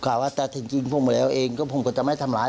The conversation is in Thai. ว่าแต่ถึงจริงผมไปแล้วเองก็ผมก็จะไม่ทำร้าย